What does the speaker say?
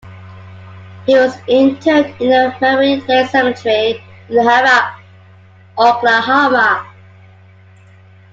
He was interred in the Memory Lane Cemetery in Harrah, Oklahoma.